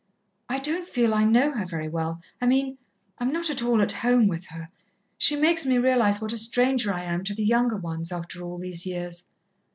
"I don't feel I know her very well. I mean, I'm not at all at home with her. She makes me realize what a stranger I am to the younger ones, after all these years."